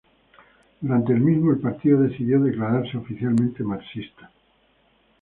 Durante el mismo, el partido decidió declararse oficialmente marxista.